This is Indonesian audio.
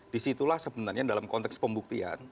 disitulah sebenarnya dalam konteks pembuktian